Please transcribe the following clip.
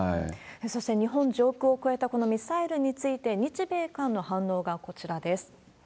そして、日本上空を越えたこのミサイルについて、日米韓の反応がこちらです。